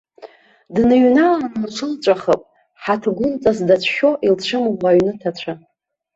Дныҩналаны лҽылҵәахып, ҳаҭгәынҵас дацәшәо, илцәымӷу аҩны ҭацәы.